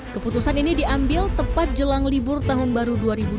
keputusan ini diambil tepat jelang libur tahun baru dua ribu dua puluh